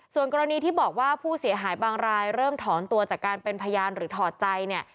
ส่วนกรณีที่บอกว่าผู้เสียหายบางรายเริ่มถอนตัวจากการเป็นพยานหรือถอดใจเนี่ย